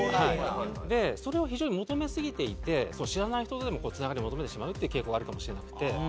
それを非常に求めすぎていて知らない人でもつながりを求めてしまうっていう傾向があるかもしれなくて。